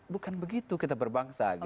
bukan begitu kita berbangsa